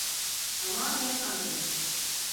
Tamamen aynı.